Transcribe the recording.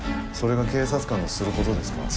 それが警察官のすることですか？